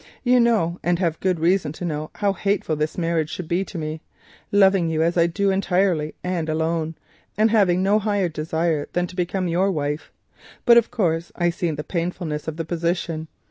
You know and have good reason to know how hateful this marriage would be to me, loving you as I do entirely and alone, and having no higher desire than to become your wife. But of course I see the painfulness of the position.